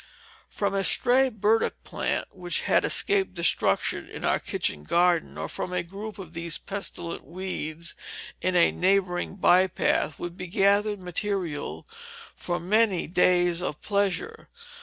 From a stray burdock plant which had escaped destruction in our kitchen garden, or from a group of these pestilent weeds in a neighboring by path, could be gathered materials for many days of pleasure.